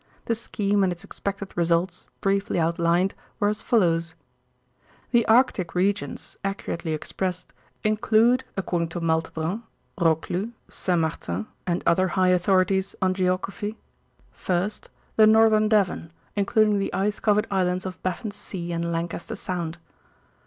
The scheme and its expected results, briefly outlined, were as follows: The Arctic regions, accurately expressed, include according to Maltebrun, Roclus, Saint Martin and other high authorities on geography: 1st. The northern Devon, including the ice covered islands of Baffin's Sea and Lancaster Sound.